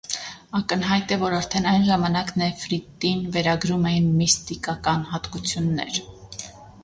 Ակնհայտ է, որ արդեն այն ժամանակ նեֆրիտին վերագրում էին միստիկական հատկություններ։